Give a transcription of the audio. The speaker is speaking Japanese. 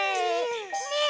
ねえ！